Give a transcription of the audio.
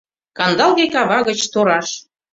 Кандалге кава гыч тораш.